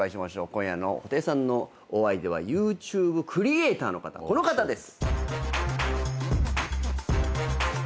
今夜の布袋さんのお相手はＹｏｕＴｕｂｅクリエイターの方この方です。